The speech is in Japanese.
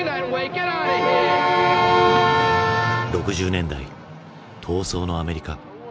６０年代闘争のアメリカ。